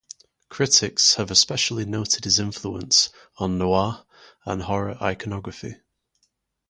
Critics have especially noted his influence on noir and horror iconography.